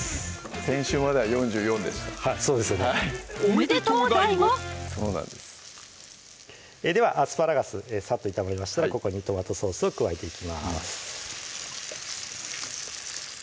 先週まだ４４でしたそうですよねおめでとうＤＡＩＧＯそうなんですではアスパラガスさっと炒まりましたらここにトマトソースを加えていきます